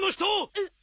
えっ。